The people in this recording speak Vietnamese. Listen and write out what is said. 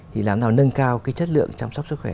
thì làm nào nâng cao cái chất lượng chăm sóc sức khỏe